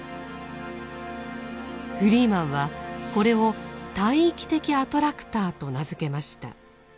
フリーマンはこれを「大域的アトラクター」と名付けました。